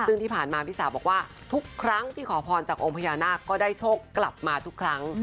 ซึ่งที่ผ่านมาพี่สาวบอกว่าทุกครั้งที่ขอพรจากองค์พญานาคก็ได้โชคกลับมาทุกครั้ง